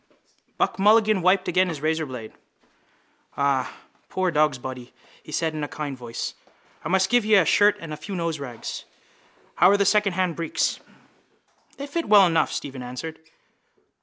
Buck Mulligan wiped again his razorblade. —Ah, poor dogsbody! he said in a kind voice. I must give you a shirt and a few noserags. How are the secondhand breeks? —They fit well enough, Stephen answered.